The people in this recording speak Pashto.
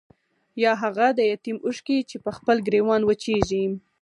يا هاغه د يتيم اوښکې چې پۀ خپل ګريوان وچيږي